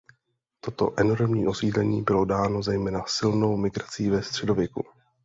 Toto enormní osídlení bylo dáno zejména silnou migrací ve středověku.